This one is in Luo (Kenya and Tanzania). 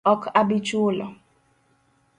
Ok abi chulo